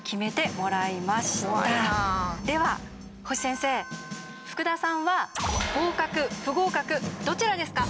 では星先生福田さんは合格不合格どちらですか？